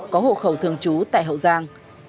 có hộ khẩu thường trú tại hậu giang